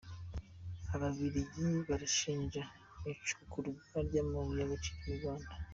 Ababiligi barashima icukurwa ry’amabuye y’agaciro mu Rwanda